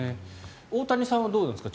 大谷さんはどうなんですか？